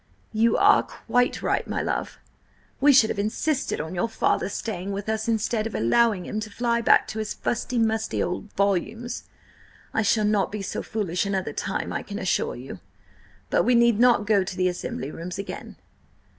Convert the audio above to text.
"You are quite right, my love. We should have insisted on your father's staying with us instead of allowing him to fly back to his fusty, musty old volumes. I shall not be so foolish another time, I can assure you. But we need not go to the Assembly Rooms again."